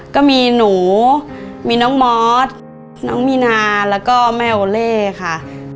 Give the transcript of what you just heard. ก็มีหนูมีน้องมอสน้องมีนาแล้วก็แม่โอเล่ค่ะ